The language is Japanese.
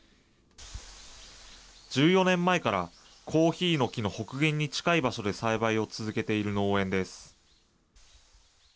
１４年前から、コーヒーの木の北限に近い場所で栽培を続けている農園です。